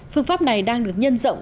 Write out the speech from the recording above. phương pháp này đang được nhân rộng